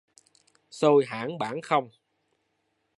Xôi hỏng bỏng không